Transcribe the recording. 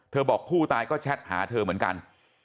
บอกผู้ตายก็แชทหาเธอเหมือนกัน